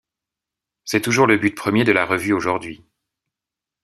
C'est toujours le but premier de la revue aujourd'hui.